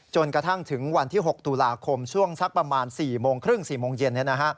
จนกระทั่งถึงวันที่๖ตุลาคมช่วงสักประมาณ๔๓๐๔๐๐เย็น